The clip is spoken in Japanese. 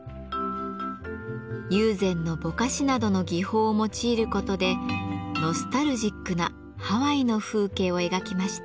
友禅の「ぼかし」などの技法を用いることでノスタルジックなハワイの風景を描きました。